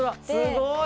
すごい！